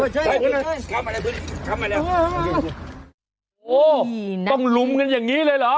โอ้โหต้องลุมกันอย่างนี้เลยเหรอ